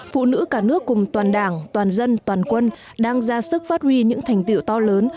phụ nữ cả nước cùng toàn đảng toàn dân toàn quân đang ra sức phát huy những thành tiệu to lớn